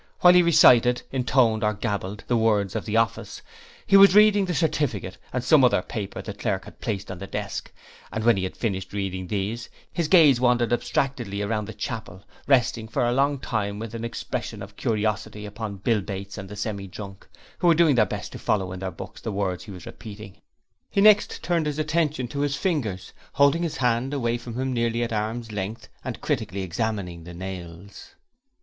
While he recited, intoned, or gabbled, the words of the office, he was reading the certificate and some other paper the clerk had placed upon the desk, and when he had finished reading these, his gaze wandered abstractedly round the chapel, resting for a long time with an expression of curiosity upon Bill Bates and the Semi drunk, who were doing their best to follow in their books the words he was repeating. He next turned his attention to his fingers, holding his hand away from him nearly at arm's length and critically examining the nails.